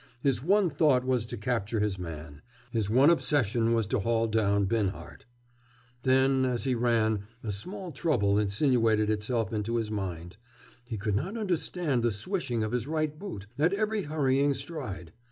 His one thought was to capture his man. His one obsession was to haul down Binhart. Then, as he ran, a small trouble insinuated itself into his mind. He could not understand the swishing of his right boot, at every hurrying stride.